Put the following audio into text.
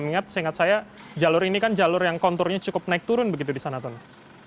mengingat seingat saya jalur ini kan jalur yang konturnya cukup naik turun begitu di sana tono